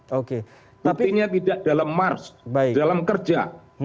buktinya tidak dalam mars dalam kerja